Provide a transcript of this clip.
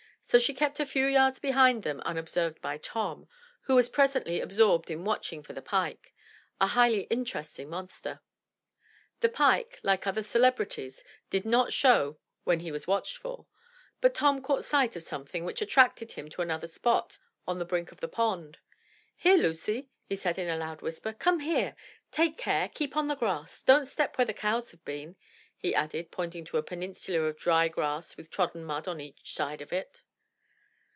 So she kept a few yards behind them unobserved by Tom, who was presently absorbed in watching for the pike, — a highly interesting monster. The pike, like other celebrities, did not show when he was watched for, but Tom caught sight of something which attracted him to another spot on the brink of the pond. "Here, Lucy,*' he said in a loud whisper, *'come here! take care! keep on the grass! — don't step where the cows have been!" he added, pointing to a peninsula of dry grass with trodden mud on each, side of it.